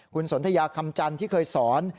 คุณสนทยาคำจันทร์ที่เคยสอน